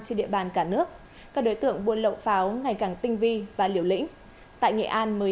vận chuyển bàn cả nước các đối tượng buôn lộ pháo ngày càng tinh vi và liều lĩnh tại nghệ an mới